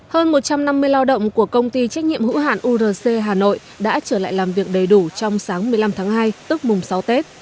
hơn một trăm năm mươi lao động của công ty trách nhiệm hữu hạn urc hà nội đã trở lại làm việc đầy đủ trong sáng một mươi năm tháng hai tức mùng sáu tết